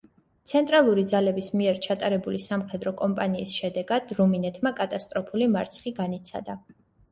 ცენტრალური ძალების მიერ ჩატარებული სამხედრო კომპანიის შედეგად რუმინეთმა კატასტროფული მარცხი განიცადა.